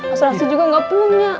asuransi juga gak punya